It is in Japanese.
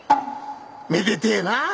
めでてえな！